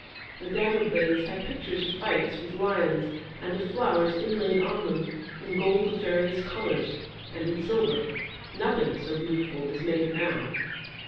The dagger blades had pictures of fights with lions, and of flowers, inlaid on them, in gold of various colours, and in silver; nothing so beautiful is made now.